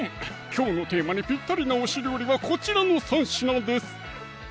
きょうのテーマにぴったりな推し料理はこちらの３品です